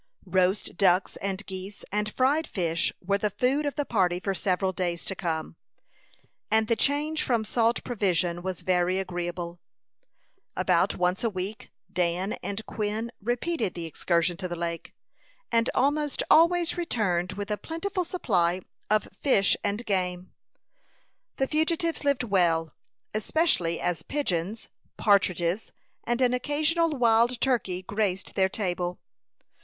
Roast ducks and geese, and fried fish, were the food of the party for several days to come; and the change from salt provision was very agreeable. About once a week Dan and Quin repeated the excursion to the lake, and almost always returned with a plentiful supply of fish and game. The fugitives lived well, especially as pigeons, partridges, and an occasional wild turkey graced their table.